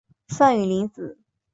范允临子。